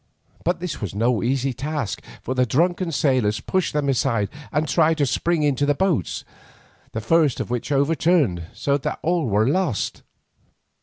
But this was no easy task, for the drunken sailors pushed them aside and tried to spring into the boats, the first of which overturned, so that all were lost.